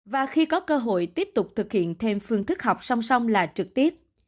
và khi có cơ hội tiếp tục thực hiện thêm phương thức học song song là trực tiếp